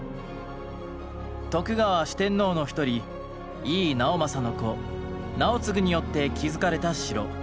徳川四天王の一人井伊直政の子直継によって築かれた城。